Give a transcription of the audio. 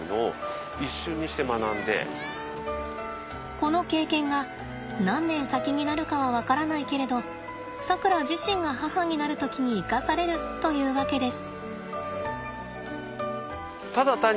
この経験が何年先になるかは分からないけれどさくら自身が母になる時に生かされるというわけです。